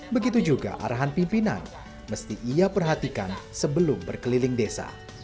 begitu juga arahan pimpinan mesti ia perhatikan sebelum berkeliling desa